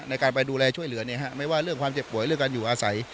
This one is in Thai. ในการไปดูแลช่วยเหลือไม่ว่าเรื่องความเจ็บป่วยเรื่องการอยู่อาศัย